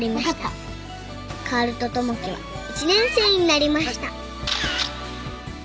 ［薫と友樹は１年生になりました］